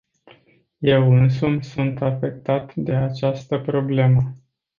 Eu însumi sunt afectat de această problemă.